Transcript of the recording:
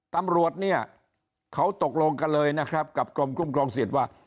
ตำรวจเนี่ยเขาตกลงกันเลยนะครับกับกรมคุ้มครองสิทธิ์ว่า